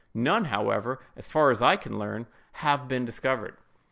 None, however, as far as I can learn, has been discovered.